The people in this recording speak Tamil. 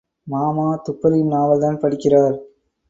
மாமா, துப்பறியும் நாவல்தான் படிக்கிறார்.